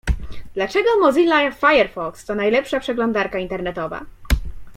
Dlaczego Mozilla Firefox to najlepsza przeglądarka internetowa?